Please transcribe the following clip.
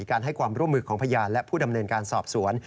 ให้ความร่วมมือของพยานและผู้ดำเนินการสอบสวน